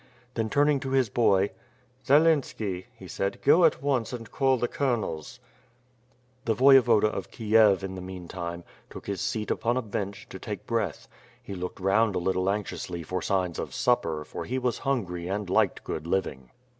Then, turning to his boy: "Zelenski," he said, "go at once and call the colonels." The Voyevoda of Kiev, in the meantime, took his seat upon a bench, to take breath. He looked round a little anxiously for signs of supper for he was hungry and liked good living.